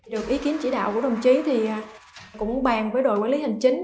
được ý kiến chỉ đạo của đồng chí thì cũng bàn với đội quản lý hành chính